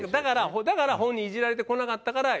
だから本人イジられて来なかったから。